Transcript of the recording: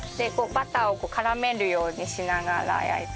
バターをこう絡めるようにしながら焼いて。